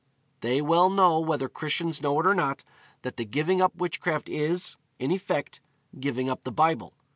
They well know, whether Christians know it or not, that the giving up witchcraft is, in effect, giving up the Bible.